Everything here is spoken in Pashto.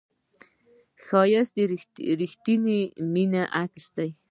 ښایست د رښتینې مینې عکس دی